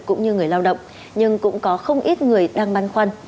cũng như người lao động nhưng cũng có không ít người đang băn khoăn